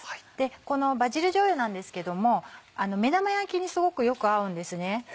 このバジルじょうゆなんですけども目玉焼きにすごくよく合うんですね。